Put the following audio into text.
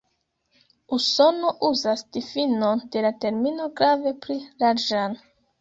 Usono uzas difinon de la termino grave pli larĝan.